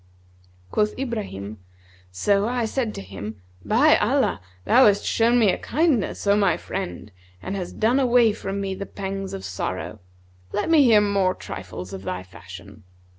(Quoth Ibrahim), So I said to him, 'By Allah, thou hast shown me a kindness, O my friend, and hast done away from me the pangs of sorrow. Let me hear more trifles of thy fashion.'